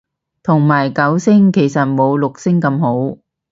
同埋九聲其實冇六聲咁好